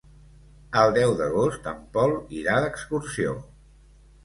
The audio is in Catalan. El deu d'agost en Pol irà d'excursió.